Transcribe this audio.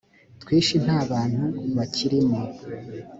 twinshi nta bantu bakirimo